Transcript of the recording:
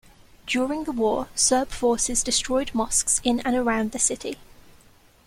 During the war Serb forces destroyed mosques in and around the city.